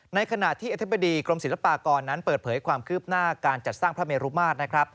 ในขณะที่อธิบดีกรมศิลปากรนั้นเปิดเผยความคืบหน้าการจัดสร้างพระเมรุมาตรนะครับ